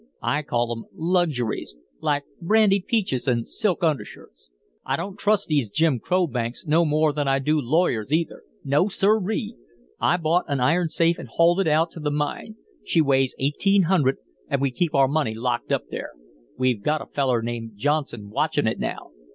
I call 'em luxuries, like brandied peaches an' silk undershirts. "I don't trust these Jim Crow banks no more than I do lawyers, neither. No, sirree! I bought a iron safe an' hauled it out to the mine. She weighs eighteen hundred, and we keep our money locked up there. We've got a feller named Johnson watchin' it now.